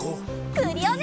クリオネ！